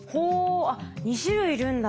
あっ２種類いるんだ。